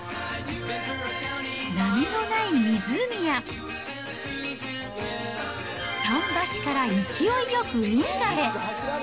波のない湖や、桟橋から勢いよく運河へ。